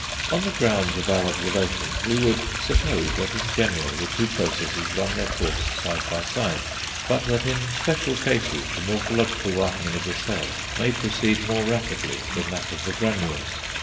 On the grounds of our observations we would suppose that in general the two processes run their course side by side, but that in special cases the morphological ripening of the cell may proceed more rapidly than that of the granules.